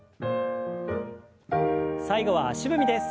最後は足踏みです。